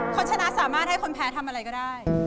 คนชนะสามารถให้คนแพ้ทำอะไรก็ได้